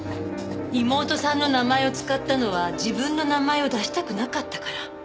妹さんの名前を使ったのは自分の名前を出したくなかったから。